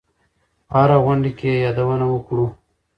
په هره غونډه کې یې یادونه وکړو.